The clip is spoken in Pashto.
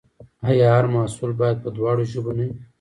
آیا هر محصول باید په دواړو ژبو نه وي؟